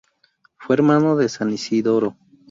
Fue hermano de San Isidoro.